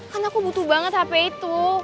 kan aku butuh banget hp itu